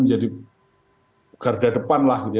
menjadi garda depan lah gitu ya